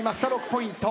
６ポイント。